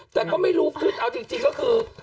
แต่ก็ไม่รู้ขึ้นเอาจริงก็คือ